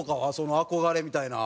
憧れみたいな。